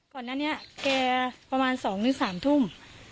ก่อนนั้นเนี่ยแกประมาณสองนึงสามทุ่ม